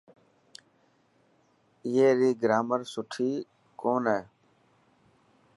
اي ري گرامر سڻي ڪون هي.